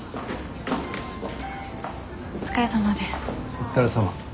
お疲れさまです。